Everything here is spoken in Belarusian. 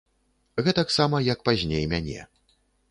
Гэтаксама, як пазней мяне.